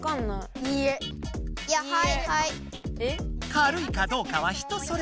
かるいかどうかは人それぞれ。